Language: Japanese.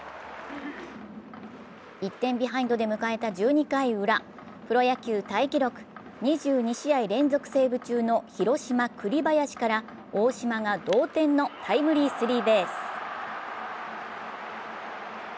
１点ビハインドで迎えた１２回ウラ、プロ野球タイ記録、２２試合連続セーブ中の広島・栗林から大島が同点のタイムリースリーベース。